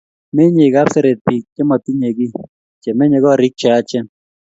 Menyey Kapseret piik che matinyei kiy, che menye koriik che yachen.